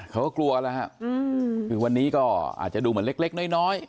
เขาก็กลัวแล้วฮะคือวันนี้ก็อาจจะดูเหมือนเล็กน้อย